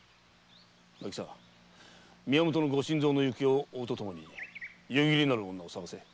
渚宮本のご新造の行方を追うとともに夕霧なる女を捜せ。